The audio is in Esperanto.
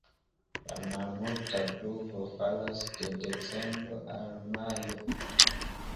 La malmulta pluvo falas de decembro al majo.